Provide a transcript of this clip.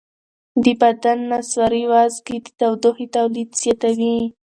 د بدن نسواري وازګې د تودوخې تولید زیاتوي.